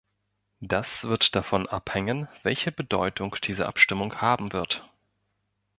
Das wird davon abhängen, welche Bedeutung diese Abstimmung haben wird.